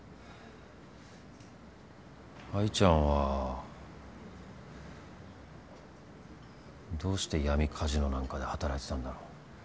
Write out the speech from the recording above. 愛ちゃんはどうして闇カジノなんかで働いてたんだろう。